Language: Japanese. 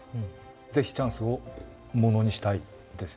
是非チャンスをものにしたいですよね。